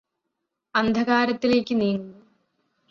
അന്ധകാരത്തിലേയ്ക് നീങ്ങുന്നു